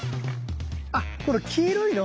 あっこの黄色いの？